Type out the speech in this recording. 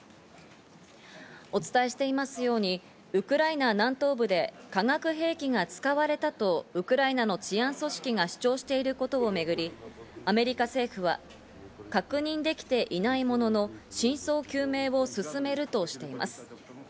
お伝えしていますように、ウクライナ南東部で化学兵器が使われたとウクライナの治安組織が主張していることをめぐり、アメリカ政府は確認できていないものの、真相究明を進めるとしています。